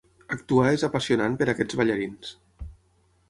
Actuar és apassionant per a aquests ballarins.